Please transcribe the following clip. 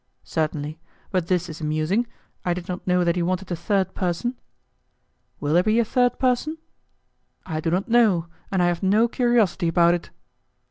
"Certainly. But this is amusing! I did not know that he wanted a third person." "Will there be a third person?" "I do not know, and I have no curiosity about it."